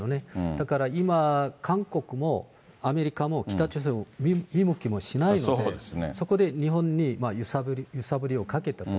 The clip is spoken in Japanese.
だから今、韓国もアメリカも、北朝鮮を見向きもしないので、そこで日本に揺さぶりをかけたと。